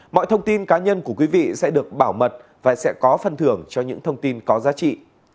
mọi thông tin cá nhân của quý vị sẽ được bảo mật và sẽ có phân thưởng cho những thông tin có giá trị